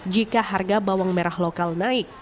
jika harga bawang merah lokal naik